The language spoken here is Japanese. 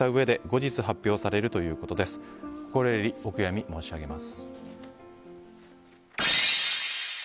心よりお悔やみ申し上げます。